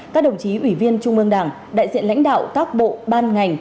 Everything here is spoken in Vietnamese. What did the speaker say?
các đồng chí ủy viên trung ương đảng đại diện lãnh đạo các bộ ban ngành